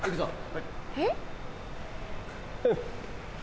はい。